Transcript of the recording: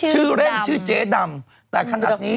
ชื่อเล่นชื่อเจ๊ดำแต่ขนาดนี้